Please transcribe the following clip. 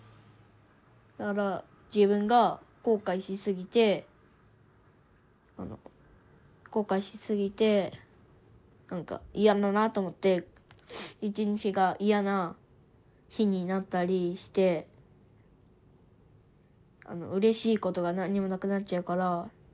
だから自分が後悔しすぎて後悔しすぎて何か嫌だなと思って一日が嫌な日になったりしてうれしいことが何にもなくなっちゃうから。